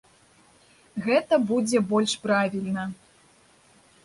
Гэта будзе больш правільна.